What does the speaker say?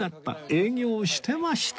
営業してました